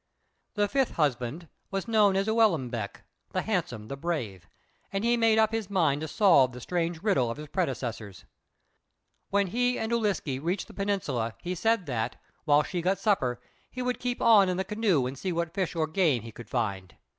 The fifth husband was known as "Ū el ŭm bek," "the handsome, the brave," and he made up his mind to solve the strange riddle of his predecessors. When he and Ūliske reached the peninsula, he said that, while she got supper, he would keep on in the canoe and see what fish or game he could find.